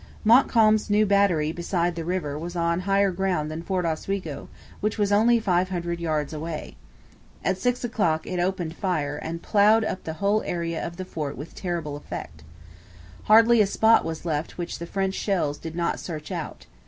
Montcalm's new battery beside the river was on higher ground than Fort Oswego, which was only five hundred yards away. At six o'clock it opened fire and ploughed up the whole area of the fort with terrible effect. Hardly a spot was left which the French shells did not search out.